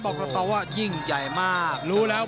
บอกต่อว่ายิ่งใหญ่มาก